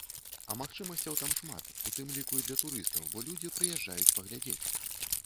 А магчымасцяў там шмат, у тым ліку і для турыстаў, бо людзі прыязджаюць паглядзець.